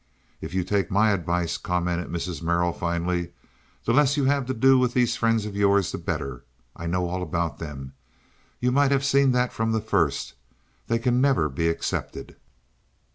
"If you take my advice," commented Mrs. Merrill, finally, "the less you have to do with these friends of yours the better. I know all about them. You might have seen that from the first. They can never be accepted."